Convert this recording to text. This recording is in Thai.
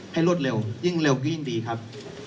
รวดเร็วยิ่งเร็วก็ยิ่งดีครับ